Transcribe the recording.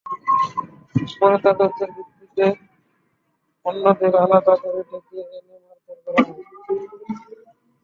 পরে তাঁর তথ্যের ভিত্তিতে অন্যদের আলাদা করে ডেকে এনে মারধর করা হয়।